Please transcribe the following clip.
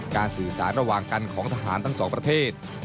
สื่อสารระหว่างกันของทหารทั้งสองประเทศ